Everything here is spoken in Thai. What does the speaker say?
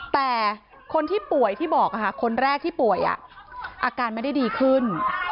แต่คนที่ป่วยที่บอกคนแรกที่ป่วยอาการไม่ได้ดีขึ้น